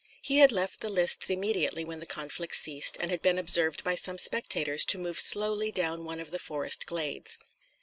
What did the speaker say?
He had left the lists immediately when the conflict ceased, and had been observed by some spectators to move slowly down one of the forest glades.